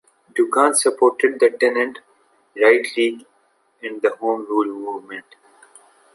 Duggan supported the Tenant Right League and the Home Rule movement.